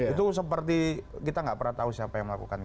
itu seperti kita nggak pernah tahu siapa yang melakukan